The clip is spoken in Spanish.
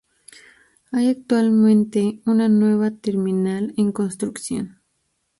Hay actualmente una nueva terminal en construcción.